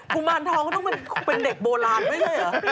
กุมานทองก็ต้องเป็นเด็กโบราณใช่ไหม